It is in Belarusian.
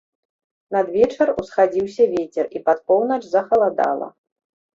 Надвечар усхадзіўся вецер, і пад поўнач захаладала.